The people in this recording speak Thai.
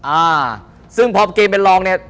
อ่าซึ่งพอเกมเป็นรองเนี่ย